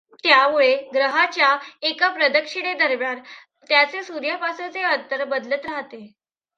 त्यामुळे ग्रहाच्या एका प्रदक्षिणेदरम्यान त्याचे सूर्यापासूनचे अंतर बदलत राहते.